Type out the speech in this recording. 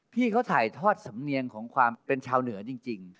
พี่เขาถ่ายทอดสำเนียงของความเป็นชาวเหนือจริง